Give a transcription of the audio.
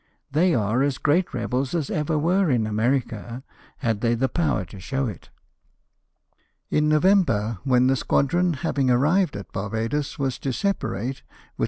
They are as great rebels as ever were in America, had they the power to show it." In November, when the squad ron, having arrived at Barbadoes, was to separate, with D 2 3(j LIFE OF NELSON.